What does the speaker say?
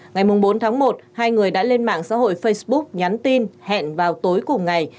ngày bốn tháng một hai người đã lên mạng xã hội facebook nhắn tin hẹn vào tối cùng ngày